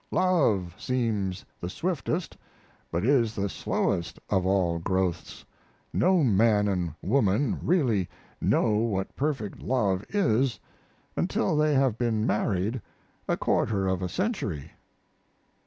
Love seems the swiftest but is the slowest of all growths. No man and woman really know what perfect love is until they have been married a quarter of a century.